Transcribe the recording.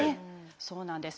そうなんです。